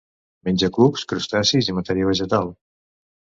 Menja cucs, crustacis i matèria vegetal.